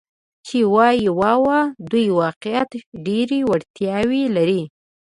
چې ووایي: 'واو، دوی واقعاً ډېرې وړتیاوې لري.